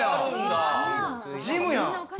ジムやん。